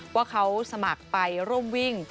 ว่าเขาสมัครไปร่วมวิ่ง